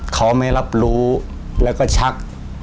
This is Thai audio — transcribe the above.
เขาไม่รับรู้แล้วก็ชัก